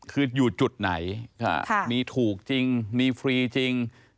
คืออยู่จุดไหนมีถูกจริงมีฟรีจริง